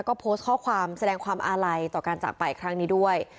ก็โพสต์ข้อความแสดงความอาลัยต่อการจากไปครั้งนี้ด้วย